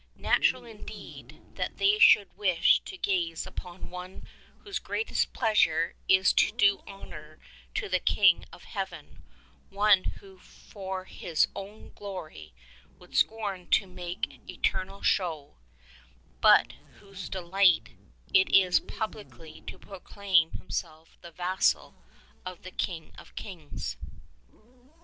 Natural indeed that they should wish to gaze uix)n one whose greatest pleasure is to do honour to the King of Heaven — one who for his own glory would scorn to make external show, but whose delight it is publicly to proclaim himself the vassal of the King of Kings.